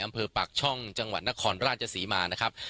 อำเภอปากช่องจังหวัดนครราชศรีมานะครับ